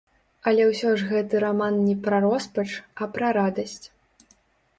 Але ўсё ж гэты раман не пра роспач, а пра радасць.